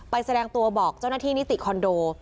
แสดงตัวบอกเจ้าหน้าที่นิติคอนโด